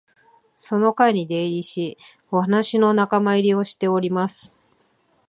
その会に出入りし、話の仲間入りをしております